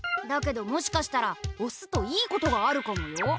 だけどもしかしたらおすといいことがあるかもよ。